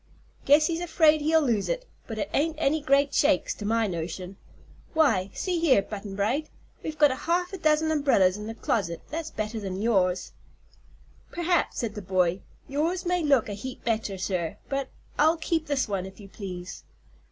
Guess he's afraid he'll lose it, but it ain't any great shakes, to my notion. Why, see here, Butt'n Bright, we've got half a dozen umbrels in the closet that's better ner yours." "Perhaps," said the boy. "Yours may look a heap better, sir, but I'll keep this one, if you please."